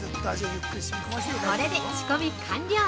◆これで仕込み完了！